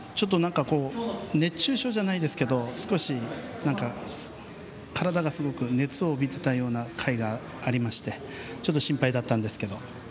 熱中症じゃないですけど少し体が熱を帯びていた回がありましてちょっと心配だったんですけど。